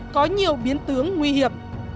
có nhiều biến tướng nguy hiểm